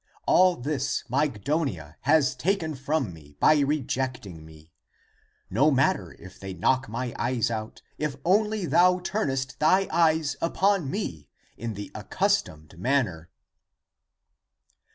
All this Mygdonia has taken from me by rejecting me. No matter if they knock my eyes out, if only thou turnest thy eyes upon me in the accustomed manner